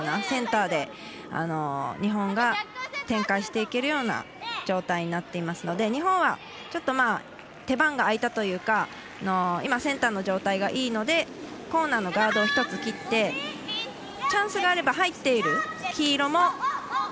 センターで日本が展開していけるような状態になっていますので日本はちょっと、空いたというか今、センターの状態がいいのでコーナーのガードを一つ切ってチャンスがあれば入っている黄色も。